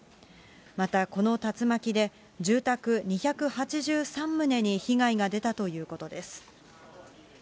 また、この竜巻で住宅２８３棟に被害が出たということです。